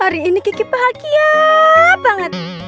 hari ini kiki bahagia banget